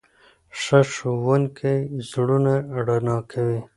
ښه ښوونکی زړونه رڼا کوي.